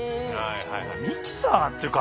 ミキサーっていうか。